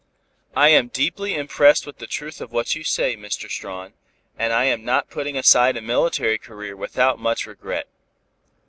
"I am deeply impressed with the truth of what you say, Mr. Strawn, and I am not putting aside a military career without much regret.